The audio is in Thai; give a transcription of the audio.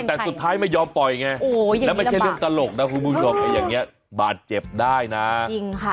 แต่สุดท้ายไม่ยอมปล่อยไงแล้วไม่ใช่เรื่องตลกนะคุณผู้ชมอย่างนี้บาดเจ็บได้นะจริงค่ะ